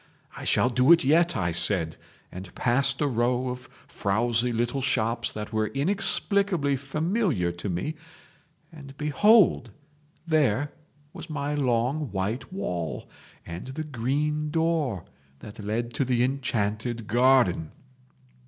'I shall do it yet,' I said, and passed a row of frowsy little shops that were inexplicably familiar to me, and behold! there was my long white wall and the green door that led to the enchanted garden!